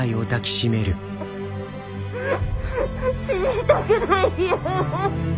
死にたくないよ！